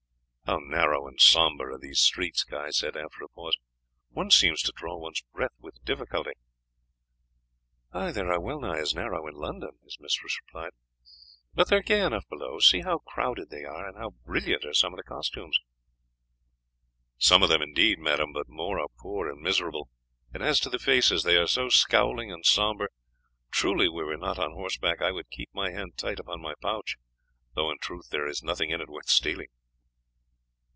"How narrow and sombre are these streets!" Guy said, after a pause, "one seems to draw one's very breath with difficulty." "They are well nigh as narrow in London," his mistress replied; "but they are gay enough below. See how crowded they are, and how brilliant are some of the costumes!" "Some of them indeed, madam, but more are poor and miserable; and as to the faces, they are so scowling and sombre, truly were we not on horseback I should keep my hand tight upon my pouch, though in truth there is nothing in it worth stealing."